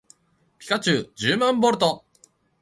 ピカチュウじゅうまんボルト